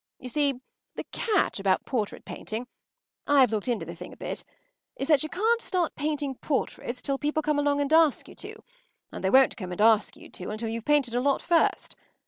You see, the catch about portrait painting—I’ve looked into the thing a bit—is that you can’t start painting portraits till people come along and ask you to, and they won’t come and ask you to until you’ve painted a lot first.